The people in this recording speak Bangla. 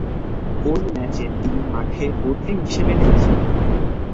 ঐ ম্যাচে তিনি মাঠে বদলি হিসেবে নেমেছিলেন।